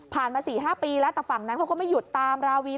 มา๔๕ปีแล้วแต่ฝั่งนั้นเขาก็ไม่หยุดตามราวี